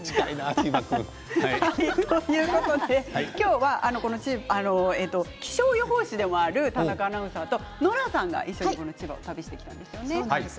今日は気象予報士でもある田中アナウンサーとノラさんが一緒にこの千葉を旅してきたんですよね。